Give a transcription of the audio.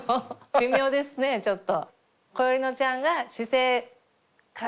微妙ですねちょっと。